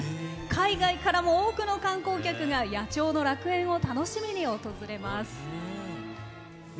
海外からも多くの観光客が野鳥の楽園を楽しみに訪れます。